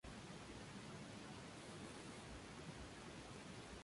Su primer director fue Mario Cella, quien, hasta aquel momento, dirigía Radio Nacional.